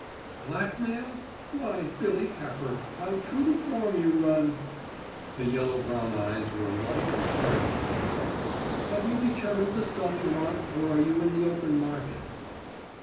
"Blackmail? Why, Billy Capper, how true to form you run!" The yellow brown eyes were alight and burning now. "Have you determined the sum you want or are you in the open market?"